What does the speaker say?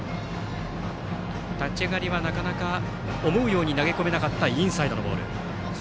立ち上がりはなかなか思うように投げ込めなかったインサイドのボール。